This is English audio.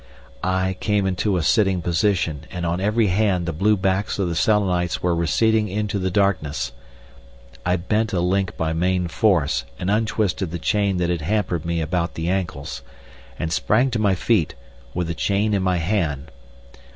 I came into a sitting position, and on every hand the blue backs of the Selenites were receding into the darkness. I bent a link by main force and untwisted the chain that had hampered me about the ankles, and sprang to my feet, with the chain in my hand.